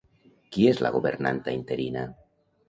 Qui és la governanta interina?